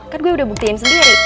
kan gue udah buktiin sendiri